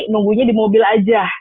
nunggunya di mobil aja